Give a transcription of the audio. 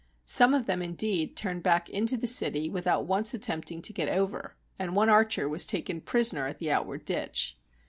Some of them, indeed, turned back into the city, without once attempting to get over; and one archer was taken prisoner at the outward ditch.